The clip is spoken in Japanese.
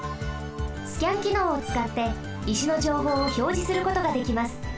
スキャンきのうをつかって石のじょうほうをひょうじすることができます。